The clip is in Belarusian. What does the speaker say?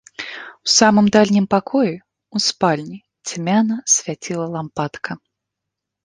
У самым дальнім пакоі, у спальні, цьмяна свяціла лампадка.